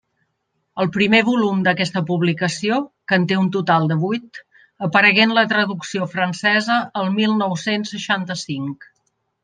El primer volum d'aquesta publicació, que en té un total de vuit, aparegué en la traducció francesa el mil nou-cents seixanta-cinc.